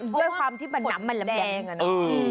ด้วยความที่มันน้ำมันละแบบ